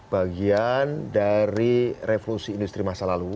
bagian dari revolusi industri masa lalu